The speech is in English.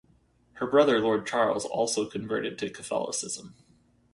Her brother Lord Charles also converted to Catholicism.